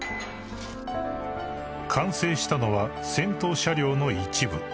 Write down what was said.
［完成したのは先頭車両の一部］